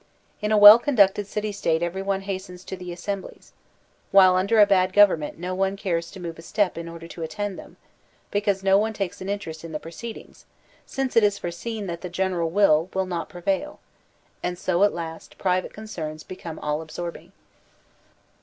In a well conducted city state everyone hastens to the assemblies: while under a bad government no one cares to move a step in order to attend them, because no one takes an interest in the proceedings, since it is fore seen that the general will will not prevail; and so at last private concerns become all absorbing.